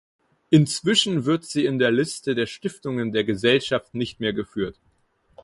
Inzwischen wird sie in der Liste der Stiftungen der Gesellschaft nicht mehr geführt.